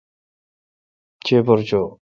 چیپر چو۔